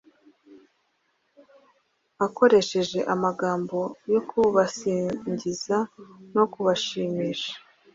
akoresheje amagambo yo kubasingiza no kubashimisha.